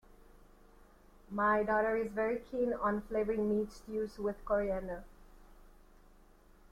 My daughter is very keen on flavouring meat stews with coriander